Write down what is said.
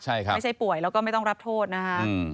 ใช่ครับไม่ใช่ป่วยแล้วก็ไม่ต้องรับโทษนะคะ